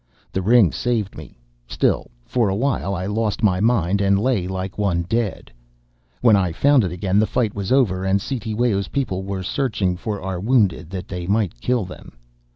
The ring saved me; still, for a while I lost my mind and lay like one dead. When I found it again the fight was over and Cetewayo's people were searching for our wounded that they might kill them.